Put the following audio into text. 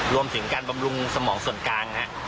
รวมถึงการบำรุงสมองส่วนกลาง